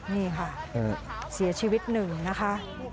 นี่ค่ะเสียชีวิตหนึ่งนะคะ